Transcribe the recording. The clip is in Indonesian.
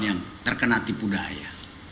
yang terkena tipu daya